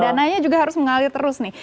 dananya juga harus mengalir terus nih